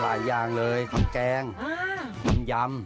หลายอย่างเลยมันแกงมันยำ